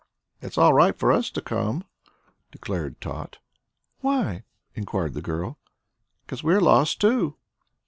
"It's all right for us to come," declared Tot. "Why?" enquired the girl. '"Cause we're lost, too!"